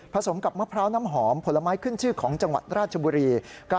สมกับมะพร้าวน้ำหอมผลไม้ขึ้นชื่อของจังหวัดราชบุรี